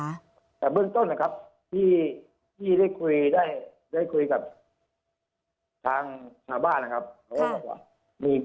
จากเรื่องต้นนะครับที่ที่ได้คุยได้ได้คุยกับทางผ้าบ้านนะครับ